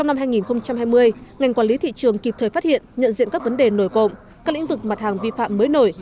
trong năm hai nghìn hai mươi ngành quản lý thị trường kịp thời phát hiện nhận diện các vấn đề nổi cộng các lĩnh vực mặt hàng vi phạm mới nổi